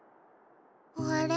あれ？